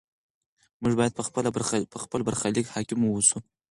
موږ باید په خپل برخلیک حاکم واوسو.